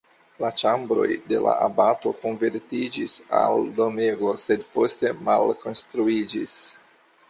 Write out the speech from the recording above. La ĉambroj de la abato konvertiĝis al domego, sed poste malkonstruiĝis.